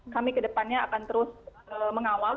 kami kedepannya akan terus mengawal